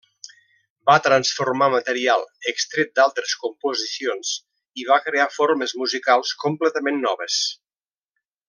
Va transformar material extret d'altres composicions i va crear formes musicals completament noves.